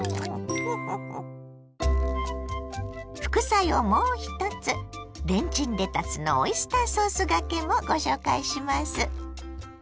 副菜をもう１つレンチンレタスのオイスターソースがけもご紹介します。